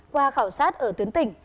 qua khảo sát ở tuyến tỉnh